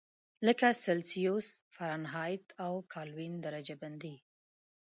لکه سلسیوس، فارنهایت او کلوین درجه بندي.